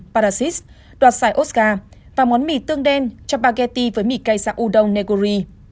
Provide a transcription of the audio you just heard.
parasite đoạt xài oscar và món mì tương đen chapagetti với mì cây dạng udon neguri